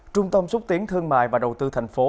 trung tâm xúc tiến thương mại và đầu tư thành phố